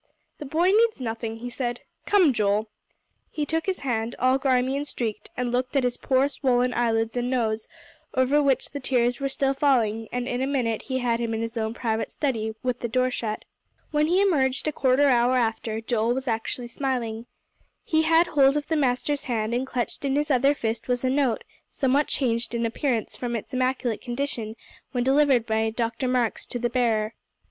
"The boy needs nothing," he said. "Come, Joel." He took his hand, all grimy and streaked, and looked at his poor, swollen eyelids and nose, over which the tears were still falling, and in a minute he had him in his own private study, with the door shut. When he emerged a quarter hour after, Joel was actually smiling. He had hold of the master's hand, and clutched in his other fist was a note, somewhat changed in appearance from its immaculate condition when delivered by Dr. Marks to the bearer.